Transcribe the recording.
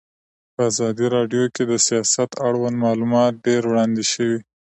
په ازادي راډیو کې د سیاست اړوند معلومات ډېر وړاندې شوي.